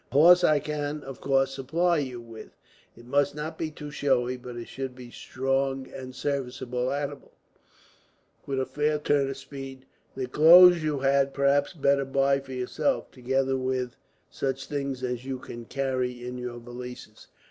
"A horse I can, of course, supply you with. It must not be too showy, but it should be a strong and serviceable animal, with a fair turn of speed. The clothes you had perhaps better buy for yourself, together with such things as you can carry in your valises.